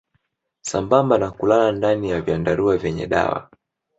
Sambamba na kulala ndani ya vyandarua vyenye dawa